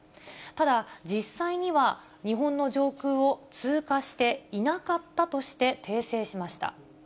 ただ、実際には、日本の上空を通過していなかったとして、訂正しました。